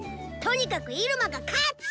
とにかくイルマが勝つ！